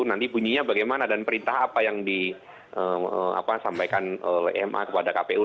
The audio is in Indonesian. nanti bunyinya bagaimana dan perintah apa yang disampaikan oleh ma kepada kpu